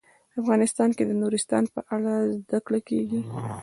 افغانستان کې د نورستان په اړه زده کړه کېږي.